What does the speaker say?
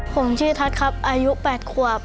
ผมชื่อทัศน์ครับอายุ๘ขวบ